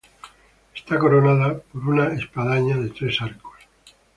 Está coronada per una espadaña de tres arcos.